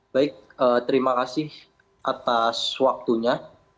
baik terima kasih atas waktunya